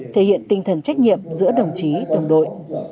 thể hiện tinh thần trách nhiệm giữa đồng chí đồng đội